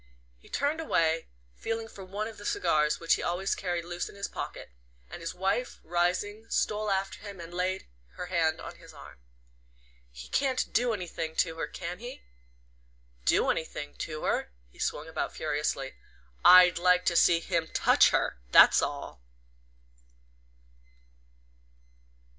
He turned away, feeling for one of the cigars which he always carried loose in his pocket; and his wife, rising, stole after him, and laid her hand on his arm. "He can't do anything to her, can he?" "Do anything to her?" He swung about furiously. "I'd like to see him touch her that's all!"